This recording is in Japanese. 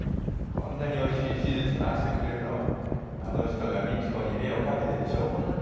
こんなにおいしい手術回してくれるのはあの人が未知子に目をかけてる証拠なんだから。